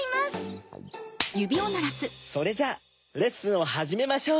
パチンそれじゃあレッスンをはじめましょう！